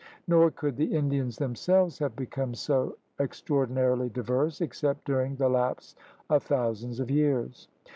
Nor could the Indians themselves have become so extra ordinarily diverse except during the lapse of thou sands of years.